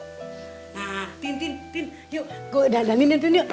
nah tin tin tin yuk gue dandaninin ya